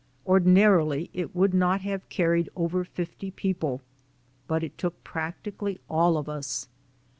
Or dinarily it would not have carried over fifty people, but it took practically all of us.